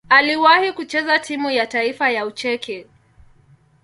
Aliwahi kucheza timu ya taifa ya Ucheki.